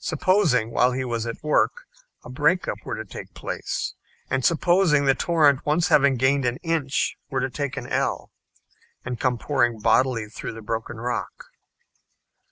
Supposing while he was at work a break up were to take place, and supposing the torrent once having gained an inch were to take an ell, and come pouring bodily through the broken rock!